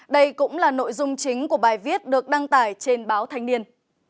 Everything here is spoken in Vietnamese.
đây cũng là nội dung chính của bài viết được đăng tải trên báo thanh niên